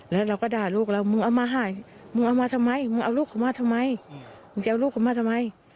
แล้วเราก็ด่าลูกเรามึงเอามาทำไมมึงเอาลูกเขามาทำไม